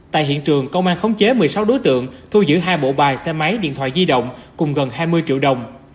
tại hiện trường công an khống chế một mươi sáu đối tượng thu giữ hai bộ bài xe máy điện thoại di động cùng gần hai mươi triệu đồng